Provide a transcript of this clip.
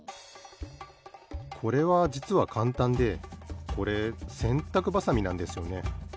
これはじつはかんたんでこれせんたくばさみなんですよね。